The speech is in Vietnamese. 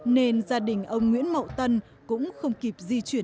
nên gia đình ông nguyễn mậu tân cũng không kịp